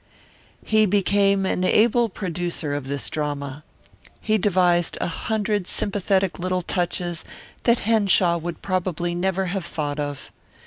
He became an able producer of this drama. He devised a hundred sympathetic little touches that Henshaw would probably never have thought of.